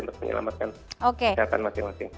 untuk menyelamatkan kesehatan masing masing